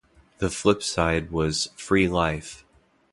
The flip side was "Free Life".